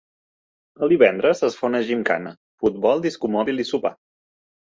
El divendres es fa una gimcana, futbol, discomòbil i sopar.